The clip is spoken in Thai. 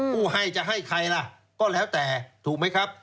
ผู้ให้จะให้ใครล่ะก็แล้วแต่ถูกไหมครับ